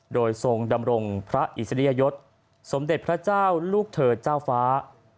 โดยทรงดำรงพระอิสริยยศสมเด็จพระเจ้าลูกเธอเจ้าฟ้า